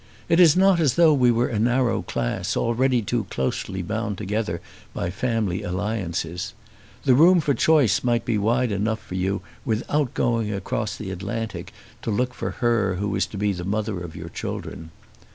It is not as though we were a narrow class, already too closely bound together by family alliances. The room for choice might be wide enough for you without going across the Atlantic to look for her who is to be the mother of your children.